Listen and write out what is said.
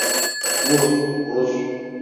Vur, vur!